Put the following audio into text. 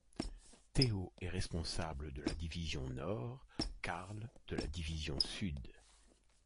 Theo est responsable de la division nord, Karl de la division sud.